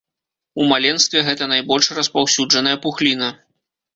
У маленстве гэта найбольш распаўсюджаная пухліна.